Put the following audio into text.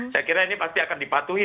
saya kira ini pasti akan dipatuhi